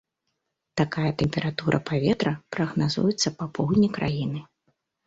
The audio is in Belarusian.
Такая тэмпература паветра прагназуецца па поўдні краіны.